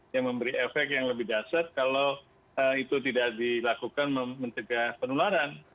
yang memberi efek yang lebih dasar kalau itu tidak dilakukan mencegah penularan